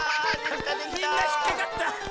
みんなひっかかった！